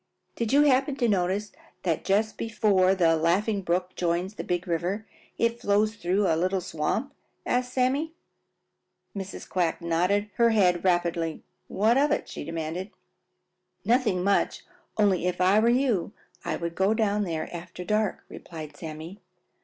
"Did you happen to notice that just before the Laughing Brook joins the Big River it flows through a little swamp?" asked Sammy. Mrs. Quack nodded her head rapidly. "What of it?" she demanded. "Nothing much, only if I were you I would go down there after dark," replied Sammy.